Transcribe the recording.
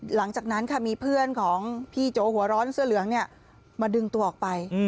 หลังจากนั้นค่ะมีเพื่อนของพี่โจหัวร้อนเสื้อเหลืองมาดึงตัวออกไป